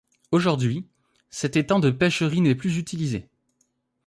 Aujourd’hui, cet étang de pêcherie n'est plus utilisé.